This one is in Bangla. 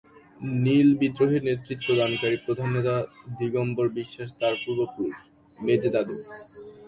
নীল বিদ্রোহের নেতৃত্ব দানকারী প্রধান নেতা দিগম্বর বিশ্বাস তার পূর্বপুরুষ, মেজদাদু।